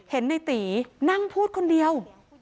เห็นในตีนั่งพูดคนเดียว